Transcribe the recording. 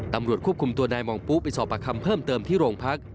ตำรวจควบคุมตัวนายมองปุ๊ไปสอบประคำเพิ่มเติมที่โรงพัก